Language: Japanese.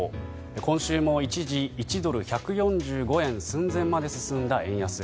今週も一時１ドル＝１４５円の寸前まで進んだ円安。